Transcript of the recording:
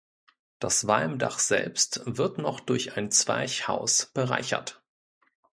Das Walmdach selbst wird noch durch ein Zwerchhaus bereichert.